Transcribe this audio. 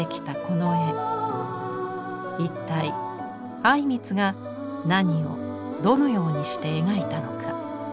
一体靉光が何をどのようにして描いたのか。